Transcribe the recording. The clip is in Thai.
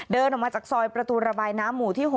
เดินออกมาจากซอยประตูระบายน้ำหมู่ที่๖